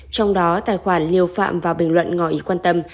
trong đó tài khoản liêu phạm vào bình luận ngọi ý quan tâm